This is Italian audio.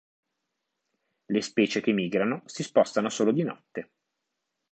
Le specie che migrano si spostano solo di notte.